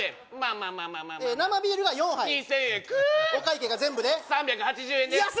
まあまあ生ビールが４杯２０００円くーっお会計が全部で３８０円です